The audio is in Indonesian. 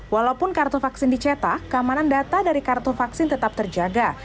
walaupun kartu vaksin dicetak keamanan data dari kartu vaksin tetap terjaga